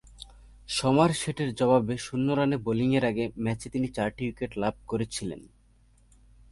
সমারসেটের জবাবে শূন্য রানে বোলিংয়ের আগে ম্যাচে তিনি চারটি উইকেট লাভ করেছিলেন।